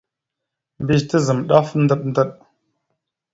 Mbiyez tazam ɗaf ndaɗ ndaɗ.